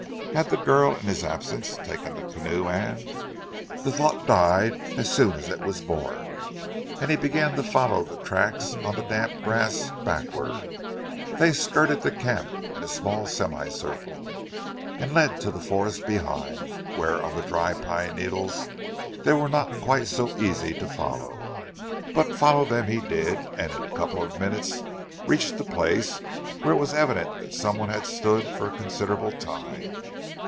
Had the girl in his absence taken the canoe and The thought died as soon as it was born, and he began to follow the tracks on the damp grass, backward. They skirted the camp in a small semi circle, and led to the forest behind, where on the dry pine needles they were not quite so easy to follow. But follow them he did, and in a couple of minutes reached a place where it was evident some one had stood for a considerable time.